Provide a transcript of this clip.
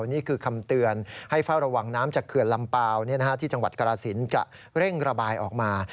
นี่คือคำเตือนให้เฝ้าระวังน้ำจากเขื่อนลำเปล่าที่จังหวัดกรสินจะเร่งระบายออกมา